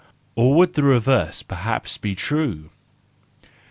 Or would the reverse perhaps be true?